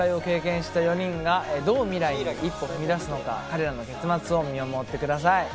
初恋を経験して４人がどう未来に一歩踏み出すのか、彼らの結末を見守ってください。